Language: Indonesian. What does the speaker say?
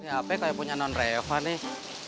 hp kayak punya non reva nih